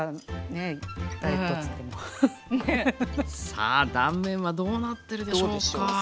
さあ断面はどうなってるでしょうか？